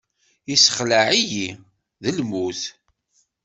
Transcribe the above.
Yessexleɛ-iyi, d lmut.